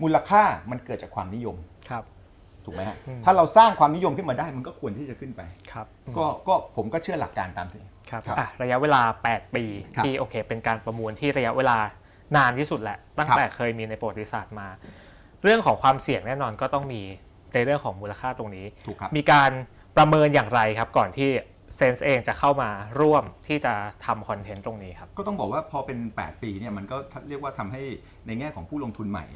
ระยะเวลา๘ปีที่โอเคเป็นการประมูลที่ระยะเวลานานที่สุดแหละตั้งแต่เคยมีในโปรธิศาสตร์มาเรื่องของความเสี่ยงแน่นอนก็ต้องมีในเรื่องของมูลค่าตรงนี้มีการประเมินอย่างไรครับก่อนที่เซ็นซ์เองจะเข้ามาร่วมที่จะทำคอนเทนต์ตรงนี้ครับก็ต้องบอกว่าพอเป็น๘ปีเนี่ยมันก็เรียกว่าทำให้ในแง่ของผู้ลงทุ